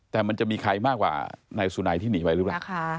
แต่มันจะมีใครมากกว่านายสุนัยที่หนีไว้หรือเปล่า